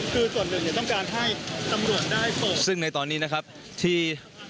คือส่วนหนึ่งเนี่ยต้องการให้ตำรวจได้เปิดซึ่งในตอนนี้นะครับที่